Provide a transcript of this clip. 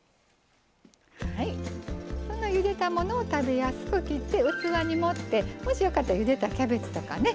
ゆでたものを食べやすく切って器に盛ってもしよかったらゆでたキャベツとかね